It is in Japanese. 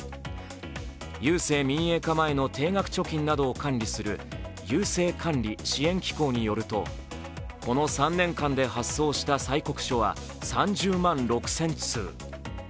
郵政民営化前の定額貯金などを管理する郵政管理・支援機構によるとこの３年間で発送した催告書は３０万６０００通。